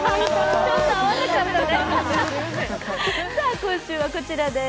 今週はこちらです。